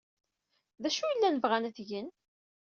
D acu ay llan bɣan ad t-gen?